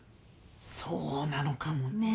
そうなのかもねぇ。